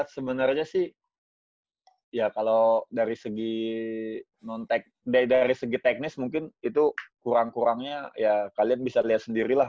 sebenernya sih ya kalau dari segi teknis mungkin itu kurang kurangnya ya kalian bisa liat sendirilah